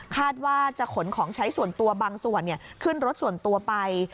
คาดว่าจะขนของใช้ส่วนตัวบางส่วนขึ้นรถส่วนตัวไป